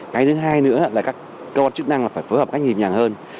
cái thứ hai nữa là các cơ quan chức năng phải phối hợp cách nhịp nhàng hơn